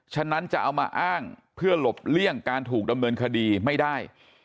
ฉะนั้นจะเอามาอ้างเพื่อหลบเลี่ยงการถูกดำเนินคดีไม่ได้